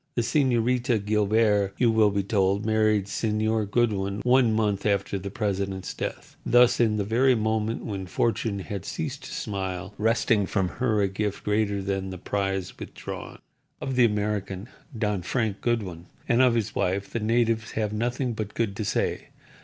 The Señorita Guilbert, you will be told, married Señor Goodwin one month after the president's death, thus, in the very moment when Fortune had ceased to smile, wresting from her a gift greater than the prize withdrawn. Of the American, Don Frank Goodwin, and of his wife the natives have nothing but good to say.